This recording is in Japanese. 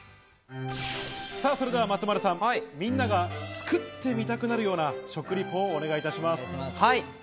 それでは松丸さん、みんなが作ってみたくなるような食リポをお願いいたします。